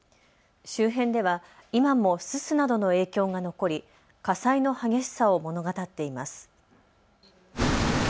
周辺では今もすすなどの影響が残り火災の激しさを物語っています。